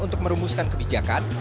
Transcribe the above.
untuk merumuskan kebijakan